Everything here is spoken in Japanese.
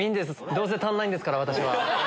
どうせ足んないんですから私は。